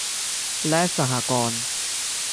และสหกรณ์